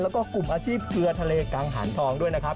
แล้วก็กลุ่มอาชีพเกลือทะเลกังหารทองด้วยนะครับ